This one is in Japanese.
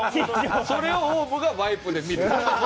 それをＯＷＶがワイプで見る。